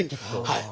はい。